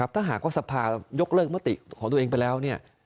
ถ้าหากว่าสภายกเลิกมติของตัวเองไปแล้ว